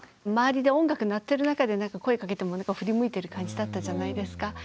周りで音楽鳴ってる中で声かけても振り向いてる感じだったじゃないですか。